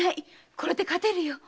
これで勝てるよ。